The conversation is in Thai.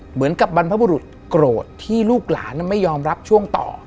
เหมือนกับบรรพบุรุษโกรธที่ลูกหลานไม่ยอมรับช่วงต่อ